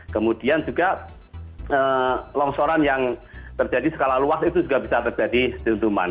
kemudian juga longsoran yang terjadi skala luas itu juga bisa terjadi dentuman